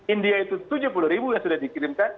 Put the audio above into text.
india itu tujuh puluh ribu yang sudah dikirimkan